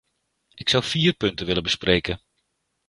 Ik zou vier punten willen bespreken.